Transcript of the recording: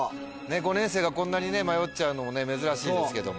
５年生がこんなに迷っちゃうのも珍しいんですけども。